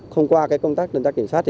không qua công tác tuần tra kiểm soát